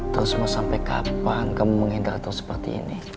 terus mau sampe kapan kamu menghendak tau seperti ini